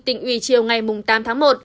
tỉnh ủy chiều ngày tám tháng một